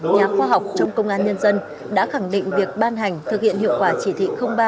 nhà khoa học trong công an nhân dân đã khẳng định việc ban hành thực hiện hiệu quả chỉ thị ba